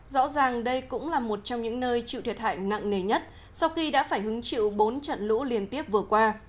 rõ ràng đây cũng là một trong những nơi chịu thiệt hại nặng nề nhất sau khi đã phải hứng chịu bốn trận lũ liên tiếp vừa qua